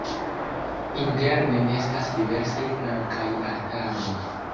Interne estas diversaj flankaj altaroj.